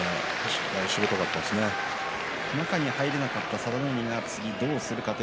中に入れなかった佐田の海が今度どうするか。